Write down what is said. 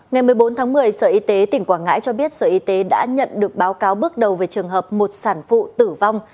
ngày một mươi bốn tháng một mươi sở y tế tỉnh quảng ngãi cho biết sở y tế đã nhận được báo cáo bước đầu về trường hợp một sản phụ tử vong